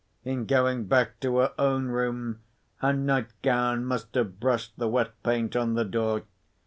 In going back to her own room, her nightgown must have brushed the wet paint on the door.